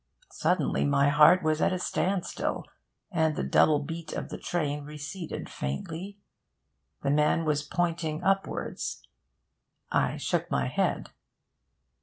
Suddenly my heart was at a standstill, and the double beat of the train receded faintly. The man was pointing upwards...I shook my head.